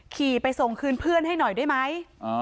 ขี่ไปส่งคืนเพื่อนให้หน่อยได้ไหม